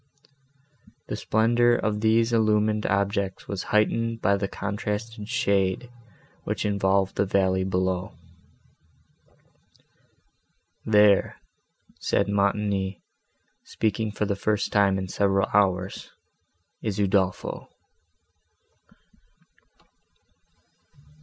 The splendour of these illumined objects was heightened by the contrasted shade, which involved the valley below. "There," said Montoni, speaking for the first time in several hours, "is Udolpho."